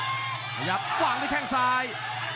ขยับกว่างด้วยข้างซ้าย